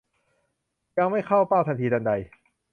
ยังไม่เข้าเป้าทันทีทันใด